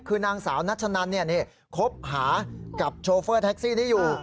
คือนางสาวนัชนันคบหากับโชเฟอร์แท็กซี่นี้อยู่